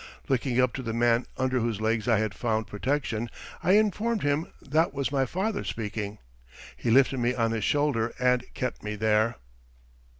Looking up to the man under whose legs I had found protection I informed him that was my father speaking. He lifted me on his shoulder and kept me there.